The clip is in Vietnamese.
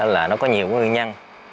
là nó có nhiều nguyên nhân